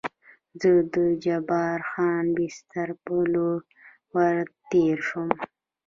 زه د جبار خان بستر په لور ور تېر شوم.